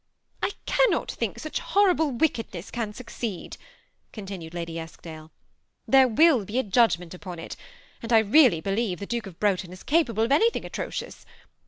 "I cannot think such horrible wickedness can sue eeed," continued Lady Eskdale ;" there will be a ju4g« ment upon it ; and I really believe the Duke of Brough to9 19 capable oi anything atrocious.